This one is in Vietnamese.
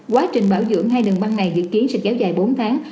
quá trình bảo dưỡng hai đường băng này dự kiến sẽ kéo dài bốn tháng